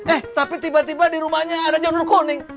eh tapi tiba tiba di rumahnya ada john rukuning